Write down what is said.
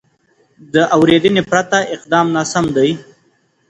د اورېدنې پرته اقدام ناسم دی.